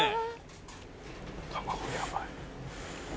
卵やばい。